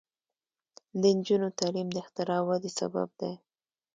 د نجونو تعلیم د اختراع ودې سبب دی.